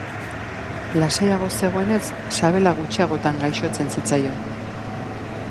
Lasaiago zegoenez, sabela gutxiagotan gaixotzen zitzaion.